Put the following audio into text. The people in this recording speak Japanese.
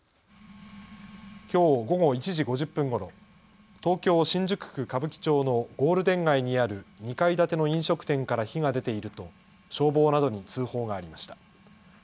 きょう午後１時５０分ごろ、東京新宿区歌舞伎町のゴールデン街にある２階建ての飲食店から火が出ていると消防などに通報がありました。